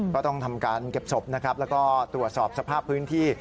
ก็ต้องทำการเก็บศพนะครับแล้วก็ตรวจสอบสภาพพื้นที่